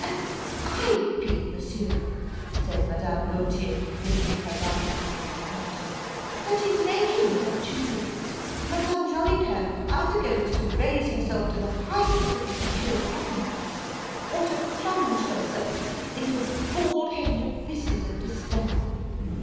"And I repeat, Monsieur," said Madame Gauthier, lifting her basket from the counter, "that in making her choosings Madame Jolicoeur either goes to raise herself to the heights of a matured happiness, or to plunge herself into bald headed abysses of despair.